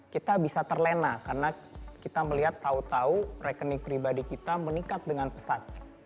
kita bisa terlena karena kita melihat tahu tahu rekening pribadi kita meningkat dengan pesat